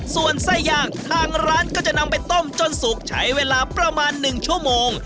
ส่วนไส้ย่างทางร้านก็จะนำไปต้มจนสุกใช้เวลาประมาณ๑ชั่วโมง